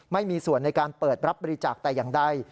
ไม่มีส่วนในการเปิดรับบริจาคแต่อย่างใด